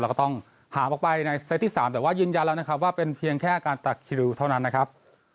ก็ต้องหามออกไปในเซตที่๓แต่ว่ายืนยันแล้วนะครับว่าเป็นเพียงแค่การตัดคิวเท่านั้นนะครับ